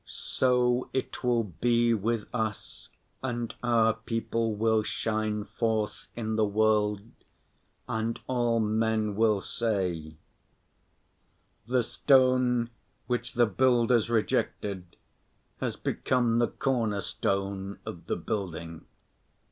So it will be with us, and our people will shine forth in the world, and all men will say: "The stone which the builders rejected has become the corner‐stone of the building."